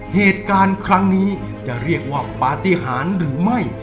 เหตุการณ์ครั้งนี้จะเรียกว่าปฏิหารหรือไม่